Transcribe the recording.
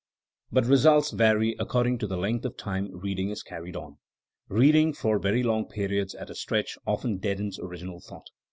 But results vary according to the length of time reading is car ried on. Beading for very long periods at a stretch often deadens original thought.